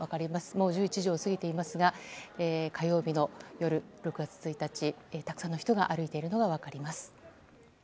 もう１１時を過ぎていますが火曜日の夜、６月１日たくさんの人が歩いているのが分かります。